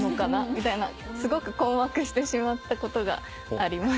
みたいなすごく困惑してしまったことがあります。